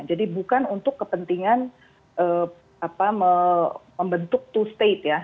jadi bukan untuk kepentingan membentuk two state ya